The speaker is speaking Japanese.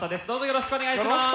よろしくお願いします。